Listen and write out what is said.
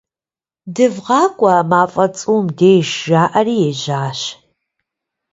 ДывгъакӀуэ, а мафӀэ цӀум деж, - жаӀэри ежьащ.